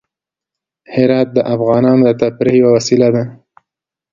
هرات د افغانانو د تفریح یوه وسیله ده.